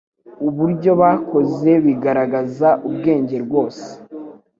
Uburyo bakoze bigaragaza ubwenge rwose.